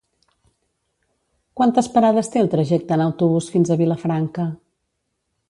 Quantes parades té el trajecte en autobús fins a Vilafranca?